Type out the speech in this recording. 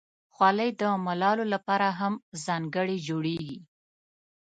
خولۍ د ملالو لپاره هم ځانګړې جوړیږي.